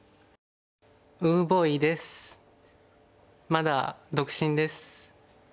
まだ独身です。